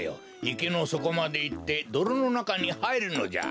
いけのそこまでいってどろのなかにはいるのじゃ。